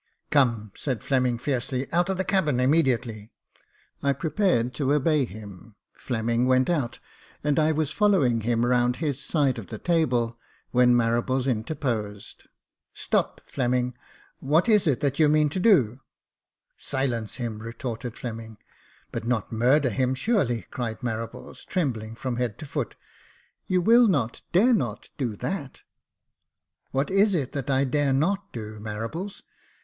"Come," said Fleming fiercely; *' Out of the cabin immediately." I prepared to obey him. Fleming went out, and I was following him round his side of the table, when Marables interposed. " Stop : Fleming, what is that you mean to do ?"" Silence him !" retorted Fleming. " But not murder him, surely ?" cried Marables, trembling from head to foot. *' You will not, dare not, do that." "What is it that I dare not do, Marables